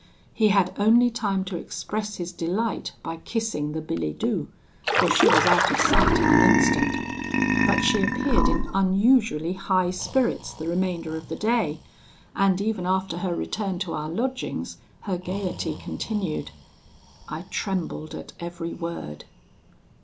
He had only time to express his delight by kissing the billet doux, for she was out of sight in an instant. But she appeared in unusually high spirits the remainder of the day; and even after her return to our lodgings, her gaiety continued. I trembled at every word.